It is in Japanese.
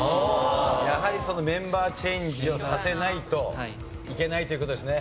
やはりそのメンバーチェンジをさせないといけないという事ですね。